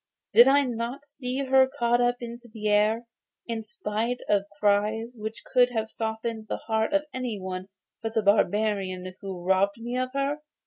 'Did I not see her caught up into the air, in spite of cries which would have softened the heart of any one but the barbarian who has robbed me of her?